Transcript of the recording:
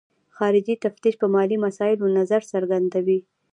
خارجي تفتیش په مالي مسایلو نظر څرګندوي.